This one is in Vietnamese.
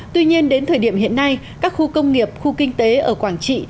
tuy nhiên đến thời điểm hiện nay các khu công nghiệp khu kinh tế ở quảng trị